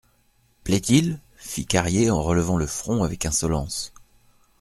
Plaît-il ? fit Carrier en relevant le front avec insolence.